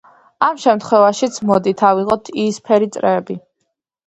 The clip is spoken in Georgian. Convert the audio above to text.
ამ შემთხვევაშიც მოდით ავიღოთ იისფერი წრეები.